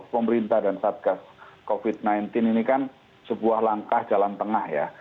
pemerintah dan satgas covid sembilan belas ini kan sebuah langkah jalan tengah ya